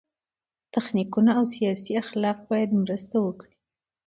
تخنیکونه او سیاسي اخلاق باید مرسته وکړي.